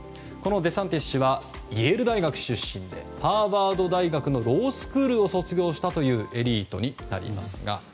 デサンティス氏はイェール大学出身でハーバード大学のロースクールを卒業したというエリートになりますが。